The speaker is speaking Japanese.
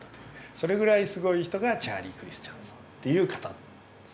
それぐらいすごい人がチャーリー・クリスチャンさんという方。